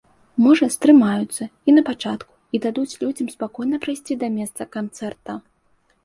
Можа стрымаюцца і на пачатку і дадуць людзям спакойна прайсці да месца канцэрта.